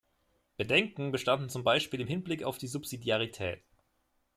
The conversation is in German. Bedenken bestanden zum Beispiel im Hinblick auf die Subsidiarität.